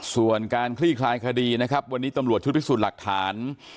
ส่วนการคลี่คลายคดีนะครับวันนี้ตำรวจชุดพิสูจน์หลักฐาน